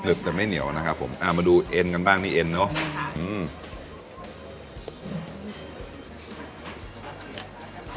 จะไม่เหนียวนะครับผมอ่ามาดูเอ็นกันบ้างพี่เอ็นเนอะ